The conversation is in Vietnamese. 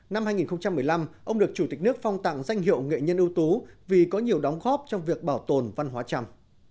năm hai nghìn một mươi năm ông được chủ tịch nước phong tặng danh hiệu nghệ nhân ưu tú vì có nhiều đóng góp trong việc bảo tồn văn hóa trăm